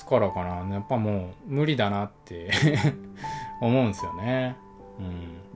やっぱもう無理だなって思うんですよねうん。